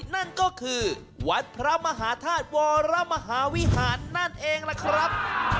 นั่นก็คือวัดพระมหาธาตุวรมหาวิหารนั่นเองล่ะครับ